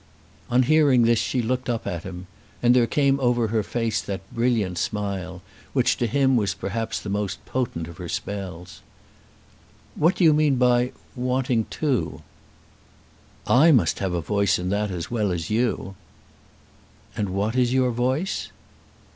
On hearing this she looked up at him, and there came over her face that brilliant smile, which to him was perhaps the most potent of her spells. "What do you mean by wanting two?" "I must have a voice in that as well as you." "And what is your voice?"